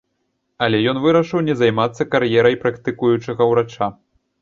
Але ён вырашыў не займацца кар'ерай практыкуючага ўрача.